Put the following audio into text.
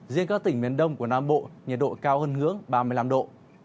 riêng các tỉnh miền đông của nam bộ nhiệt độ cao hơn ngưỡng ba mươi năm độ